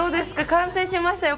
完成しましたよ